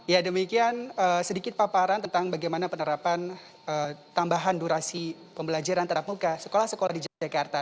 ya demikian sedikit paparan tentang bagaimana penerapan tambahan durasi pembelajaran tatap muka sekolah sekolah di jakarta